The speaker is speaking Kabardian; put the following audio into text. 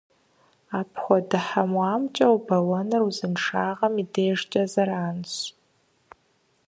Апхуэдэ хьэуакӀэ убэуэныр узыншагъэм и дежкӀэ зэранщ.